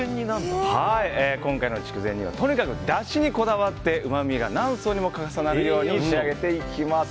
今回の筑前煮はとにかくだしにこだわってうまみが何層にも重なるように仕上げていきます。